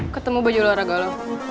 ketemu baju olahraga lo